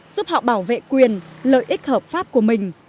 giúp họ bảo vệ quyền lợi ích hợp pháp của mình